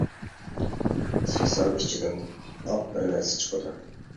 سىقسام ئىچىدىن ئاق بىر نەرسە چىقىدۇ.